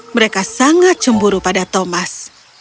mereka sangat cemburu pada thomas